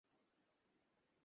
কখনো কাঁদে কখনো চুপ করিয়া থাকে।